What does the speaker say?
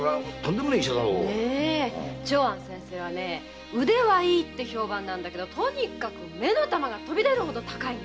長庵先生は腕はいいっていう評判なんだけど目の玉が飛び出るほど高いの。